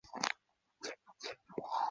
它也是一种著名的无机颜料。